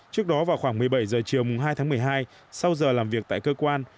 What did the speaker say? trước đó vào khoảng một mươi bảy h chiều hai tháng một mươi hai sau giờ làm việc tại cơ quan